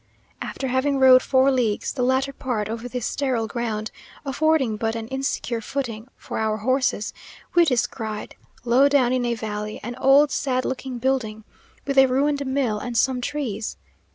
After having rode four leagues, the latter part over this sterile ground, affording but an insecure footing for our horses, we descried, low down in a valley, an old sad looking building, with a ruined mill and some trees.